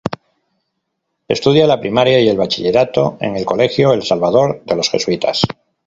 Estudia la primaria y el bachillerato en el colegio El Salvador, de los jesuitas.